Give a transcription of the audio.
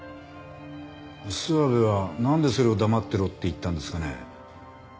諏訪部はなんでそれを黙ってろって言ったんですかね？